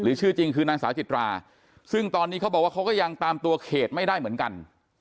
ชื่อจริงคือนางสาวจิตราซึ่งตอนนี้เขาบอกว่าเขาก็ยังตามตัวเขตไม่ได้เหมือนกัน